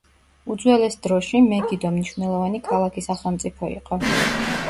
უძველეს დროში, მეგიდო მნიშვნელოვანი ქალაქი-სახელმწიფო იყო.